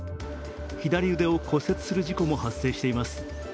左上でを骨折する事故も発生しています。